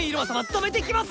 止めてきます！